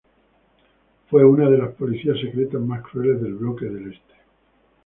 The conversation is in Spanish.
Fue una de las policías secretas más crueles del bloque del Este.